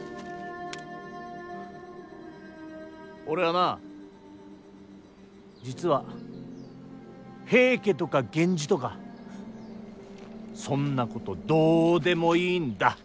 俺はな実は平家とか源氏とかそんなことどうでもいいんだ。